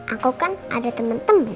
aku kan ada temen temen